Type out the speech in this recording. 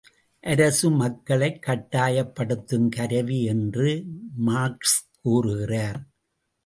அரசு, மக்களைக் கட்டாயப்படுத்தும் கருவி என்று மார்க்ஸ் கூறுகிறார்.